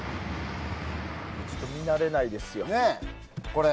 ちょっと見慣れないですね、これ。